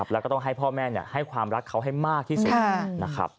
แล้วก็ต้องให้พ่อแม่ให้ความรักเขาให้มากที่สุดนะครับ